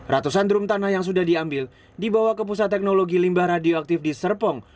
ratusan drum tanah yang sudah diambil dibawa ke pusat teknologi limbah radioaktif di serpong